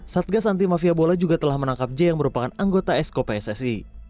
satgas anti mafia bola juga telah menangkap j yang merupakan anggota esko pssi